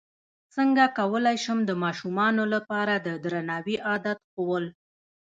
څنګه کولی شم د ماشومانو لپاره د درناوي عادت ښوول